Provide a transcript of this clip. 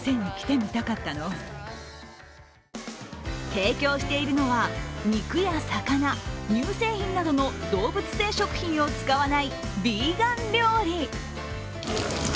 提供しているのは、肉や魚、乳製品などの動物性食品を使わないヴィーガン料理。